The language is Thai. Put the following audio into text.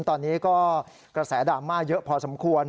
ตอนนี้ก็กระแสดราม่าเยอะพอสมควร